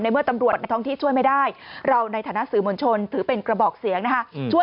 เมื่อตำรวจในท้องที่ช่วยไม่ได้เราในฐานะสื่อมวลชนถือเป็นกระบอกเสียงนะคะ